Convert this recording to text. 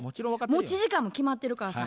持ち時間も決まってるからさ。